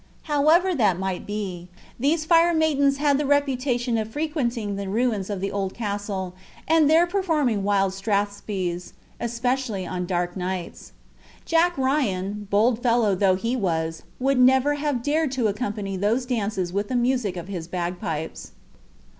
However that might be, these fire maidens had the reputation of frequenting the ruins of the old castle and there performing wild strathspeys, especially on dark nights. Jack Ryan, bold fellow though he was, would never have dared to accompany those dances with the music of his bagpipes.